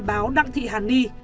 báo đặng thị hàn ni